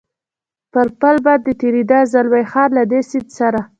پر پل باندې تېرېده، زلمی خان: له دې سیند سره.